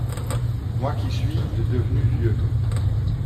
Moi qui suit de devenu vieux…